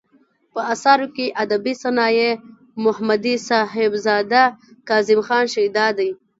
په اثارو کې ادبي صنايع ، محمدي صاحبزداه ،کاظم خان شېدا دى.